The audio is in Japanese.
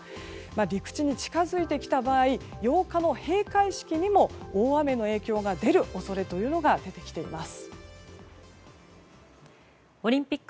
陸地に近づいてきた場合８日の閉会式にも大雨の影響が出る恐れが出てきています。